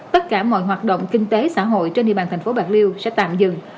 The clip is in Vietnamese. tất cả mọi hoạt động kinh tế xã hội trên địa bàn thành phố bạc liêu sẽ tạm dừng